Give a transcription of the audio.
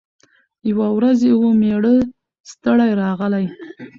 یوه ورځ یې وو مېړه ستړی راغلی